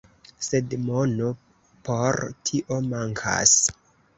Sed mono por tio mankas.